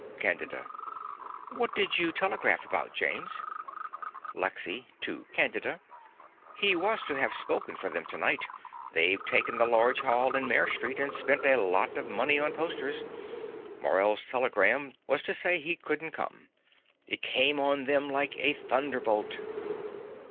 CANDIDA. What did you telegraph about, James? LEXY (to Candida). He was to have spoken for them tonight. They've taken the large hall in Mare Street and spent a lot of money on posters. Morell's telegram was to say he couldn't come. It came on them like a thunderbolt.